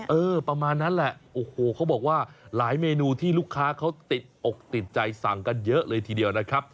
เออประมาณนั้นแหละโอ้โหเขาบอกว่าหลายเมนูที่ลูกค้าเขาติดอกติดใจสั่งกันเยอะเลยทีเดียวนะครับ